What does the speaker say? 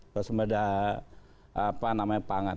suasembada apa namanya pangan